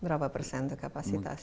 berapa persen itu kapasitasnya